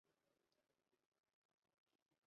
no kunezezwa no kubona urugomo: